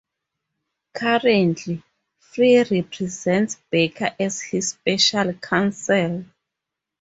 Currently, Free represents Baker as his Special Counsel.